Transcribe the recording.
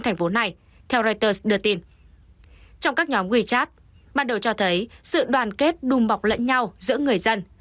trong reuters đưa tin trong các nhóm wechat ban đầu cho thấy sự đoàn kết đùm bọc lẫn nhau giữa người dân